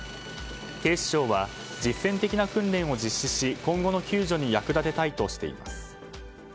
警視庁は、実践的な訓練を実施し今後の救助に役立てたいとしています。